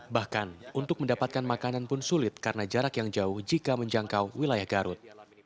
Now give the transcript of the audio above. bahkan untuk mendapatkan makanan pun sulit karena jarak yang jauh jika menjangkau wilayah garut